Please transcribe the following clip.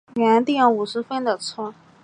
原订五十分的车